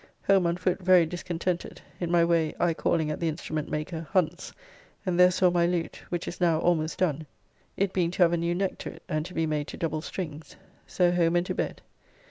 Home on foot very discontented, in my way I calling at the Instrument maker, Hunt's, and there saw my lute, which is now almost done, it being to have a new neck to it and to be made to double strings. So home and to bed.